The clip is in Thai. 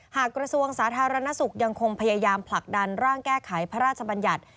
กระทรวงสาธารณสุขยังคงพยายามผลักดันร่างแก้ไขพระราชบัญญัติ